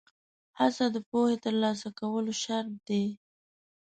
هڅه د پوهې ترلاسه کولو شرط دی.